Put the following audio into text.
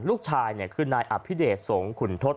ลูกชายเนี่ยคือนายอัพพิเดชโสงขุนทศ